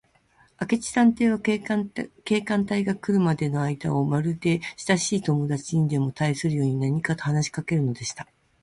明智探偵は、警官隊が来るまでのあいだを、まるでしたしい友だちにでもたいするように、何かと話しかけるのでした。